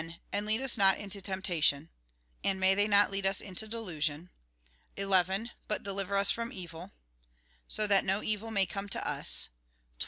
And lead us not into tempta And may they not lead us into tion, delusion, 11. But deliver us from evil, So that no evil may come to us, 12.